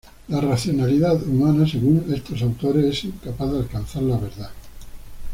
La racionalidad humana, según estos autores, es incapaz de alcanzar la verdad.